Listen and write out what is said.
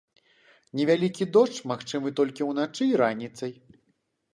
Невялікі дождж магчымы толькі ўначы і раніцай.